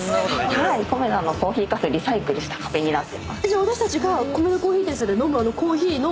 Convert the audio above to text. コメダのコーヒーかすリサイクルした壁になってます。